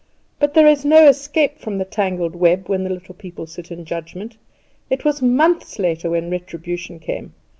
But there is no escape from the 'tangled web' when the Little People sit in judgment. It was months later when retribution came.